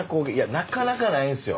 なかなかないんですよ。